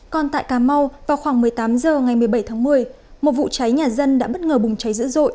còn tại cà mau vào khoảng một mươi tám h ngày một mươi bảy tháng một mươi một vụ cháy nhà dân đã bất ngờ bùng cháy dữ dội